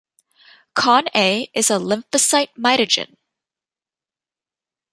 ConA is a lymphocyte mitogen.